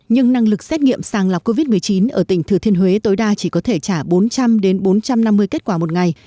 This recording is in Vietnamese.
nhưng năng lực xét nghiệm sàng lọc covid một mươi chín ở tỉnh thừa thiên huế tối đa chỉ có thể trả bốn trăm linh bốn trăm năm mươi kết quả một ngày